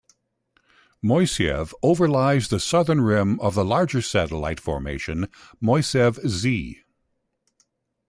Moiseev overlies the southern rim of the larger satellite formation Moiseev Z.